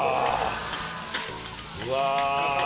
うわ